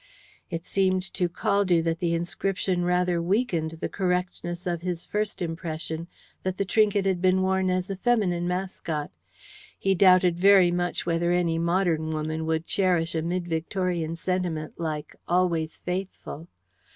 It seemed to Caldew that the inscription rather weakened the correctness of his first impression that the trinket had been worn as a feminine mascot. He doubted very much whether any modern woman would cherish a mid Victorian sentiment like "Always Faithful."